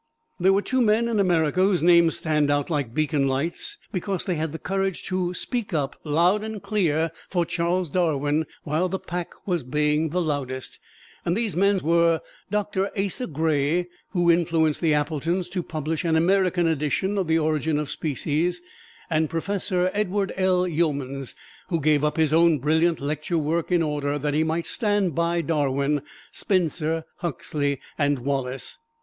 There were two men in America whose names stand out like beacon lights because they had the courage to speak up loud and clear for Charles Darwin while the pack was baying the loudest. These men were Doctor Asa Gray, who influenced the Appletons to publish an American edition of "The Origin of Species," and Professor Edward L. Youmans, who gave up his own brilliant lecture work in order that he might stand by Darwin, Spencer, Huxley and Wallace.